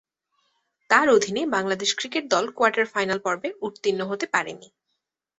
তার অধীনে বাংলাদেশ ক্রিকেট দল কোয়ার্টার-ফাইনাল পর্বে উত্তীর্ণ হতে পারেনি।